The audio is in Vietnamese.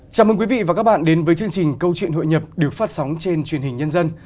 chào mừng quý vị và các bạn đến với chương trình câu chuyện hội nhập được phát sóng trên truyền hình nhân dân